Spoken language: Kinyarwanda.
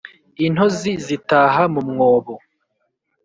intozi zitaha mu mwobo